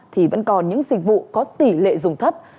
thì vẫn còn những dịch vụ có tỷ lệ dùng thấp